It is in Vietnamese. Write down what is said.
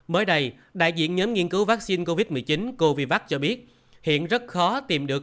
mới đây đại diện nhóm nghiên cứu vaccine covid một mươi chín covid cho biết hiện rất khó tìm được